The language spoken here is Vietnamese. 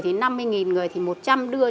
thì năm mươi người thì một trăm linh đưa